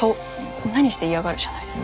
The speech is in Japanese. こんなにして嫌がるじゃないですか。